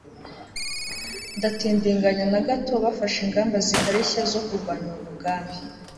Ntatindiganya na gato bafashe ingamba zikarishye zo kurwanya uwo mugambi